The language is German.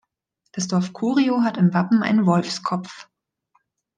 Das Dorf Curio hat im Wappen einen Wolfskopf.